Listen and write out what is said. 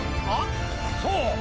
あっそう？